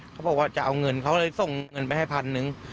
เขาบอกว่าจะเอาเงินเขาเลยส่งเงินไปให้พันหนึ่ง